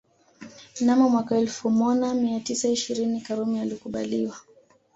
Mnamo mwaka elfu Mona mia tisa ishirini Karume alikubaliwa